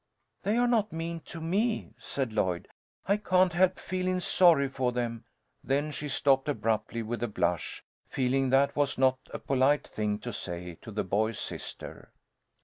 "They are not mean to me," said Lloyd. "I can't help feelin' sorry for them." Then she stopped abruptly, with a blush, feeling that was not a polite thing to say to the boys' sister.